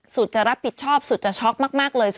สุดจะรับผิดชอบสุดจะช็อกมากเลย